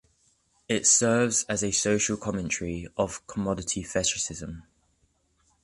It serves as a social commentary of commodity fetishism.